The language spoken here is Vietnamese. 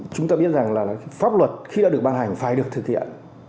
chúng ta biết rằng là pháp luật khi đã được ban hành phải được thực hiện